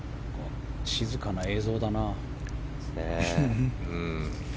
静かな映像だな。